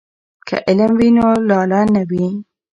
که علم وي نو لاله نه وي.